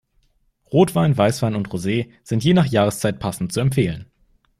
Rotwein, Weißwein und Rosé sind je nach Jahreszeit passend zu empfehlen.